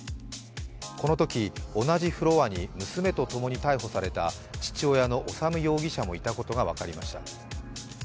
このとき、同じフロアに娘と共に逮捕された父親の修容疑者もいたことが分かりました。